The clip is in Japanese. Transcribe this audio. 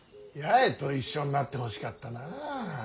八重と一緒になってほしかったなあ。